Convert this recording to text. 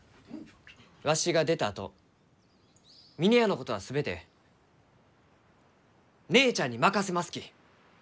わしが出たあと峰屋のことは全て姉ちゃんに任せますき。